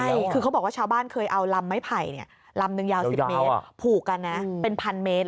ใช่คือเขาบอกว่าชาวบ้านเคยเอาลำไม้ไผ่ลำนึงยาว๑๐เมตรผูกกันนะเป็นพันเมตร